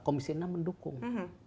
komisi enam mendukung